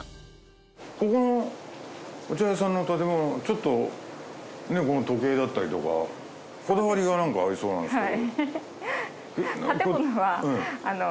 ここのお茶屋さんの建物ちょっとこの時計だったりとかこだわりがなんかありそうなんですけど。